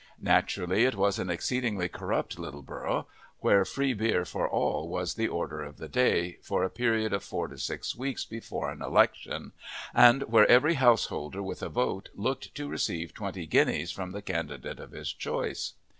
Naturally it was an exceeedingly corrupt little borough, where free beer for all was the order of the day for a period of four to six weeks before an election, and where every householder with a vote looked to receive twenty guineas from the candidate of his choice.